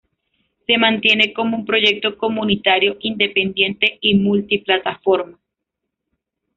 Se mantiene como un proyecto comunitario, independiente y multiplataforma.